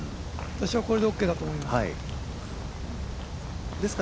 私はこれでオーケーだと思います。